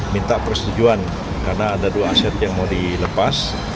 minta persetujuan karena ada dua aset yang mau dilepas